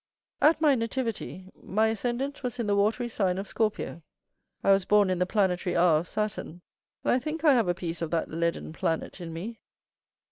At my nativity, my ascendant was the watery sign of Scorpio. I was born in the planetary hour of Saturn, and I think I have a piece of that leaden planet in me.